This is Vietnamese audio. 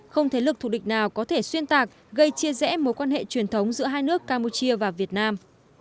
không thế lực thù địch nào có thể xuyên tạc gây chia rẽ mối quan hệ truyền thống giữa hai nước campuchia và việt nam